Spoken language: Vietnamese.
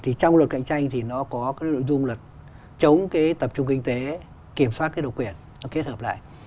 thì trong luật cạnh tranh thì nó có cái nội dung luật chống cái tập trung kinh tế kiểm soát cái độc quyền nó kết hợp lại